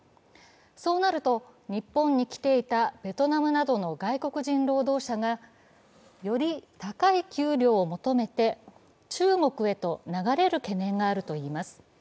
そうなると、日本に来ていたベトナムなどの外国人労働者がより高い給料を求めて中国へと流れる懸念があります。